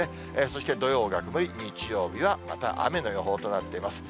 そして土曜が曇り、日曜日はまた雨の予報となっています。